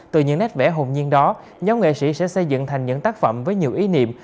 từ những nét vẽ hồn nhiên đó nhóm nghệ sĩ sẽ xây dựng thành những tác phẩm với nhiều ý niệm